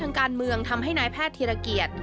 ทางการเมืองทำให้นายแพทย์ธีรเกียจ